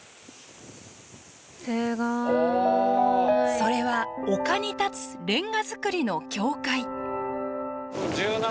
それは丘に立つレンガ造りの教会。